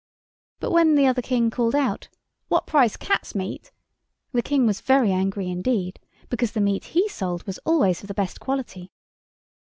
But when the other King called out, "What price cat's meat!" the King was very angry indeed, because the meat he sold was always of the best quality.